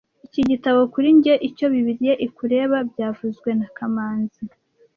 Iki gitabo kuri njye icyo Bibiliya ikureba byavuzwe na kamanzi